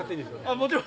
もちろん！